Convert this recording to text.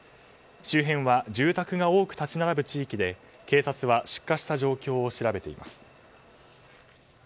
周辺は住宅が多く立ち並ぶ地域で警察は出火した状況を調べています。